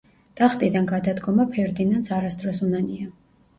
ტახტიდან გადადგომა ფერდინანდს არასდროს უნანია.